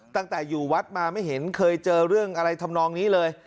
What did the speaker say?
ตั้งแต่อยู่วัดมาไม่เห็นเคยเจอเรื่องอะไรทำนองนี้เลย